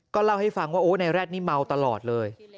เล่าให้ฟังว่าโอ้นายแดดนี่เมาตลอดเลย